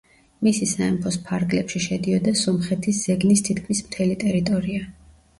მისი სამეფოს ფარგლებში შედიოდა სომხეთის ზეგნის თითქმის მთელი ტერიტორია.